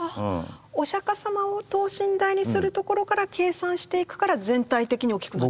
お釈迦様を等身大にするところから計算していくから全体的に大きくなっちゃう？